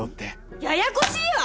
ややこしいわ！